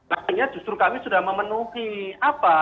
artinya justru kami sudah memenuhi apa